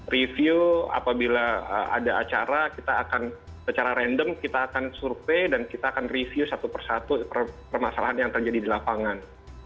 review apabila ada acara kita akan secara random kita akan survei dan kita akan review satu persatu permasalahan yang terjadi di lapangan